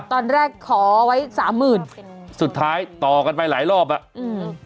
ตอนแรกขอไว้สามหมื่นสุดท้ายต่อกันไปหลายรอบอ่ะอืม